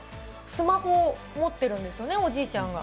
スマホを持ってるんですね、おじいちゃんが。